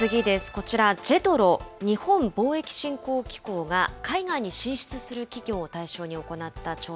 こちら、ＪＥＴＲＯ・日本貿易振興機構が、海外に進出する企業を対象に行っ